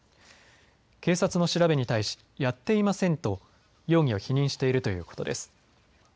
警察の調べに対しやっていませんと容疑を否認しているということです。